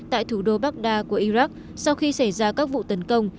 tại thủ đô baghdad của iraq sau khi xảy ra các vụ tấn công